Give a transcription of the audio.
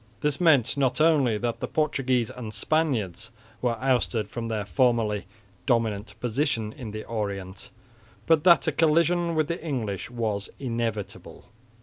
This meant not only that the Portuguese and Spaniards were ousted from their formerly dominant position in the Orient, but that a collision with the English was inevitable.